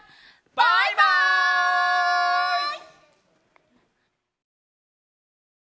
バイバイ！